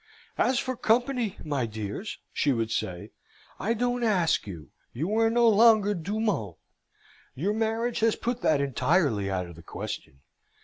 "As for company, my dears," she would say, "I don't ask you. You are no longer du monde. Your marriage has put that entirely out of the question."